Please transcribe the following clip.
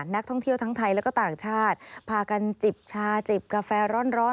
นักท่องเที่ยวทั้งไทยและก็ต่างชาติพากันจิบชาจิบกาแฟร้อน